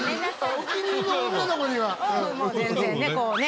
お気に入りの女の子にはうんもう全然ねこうね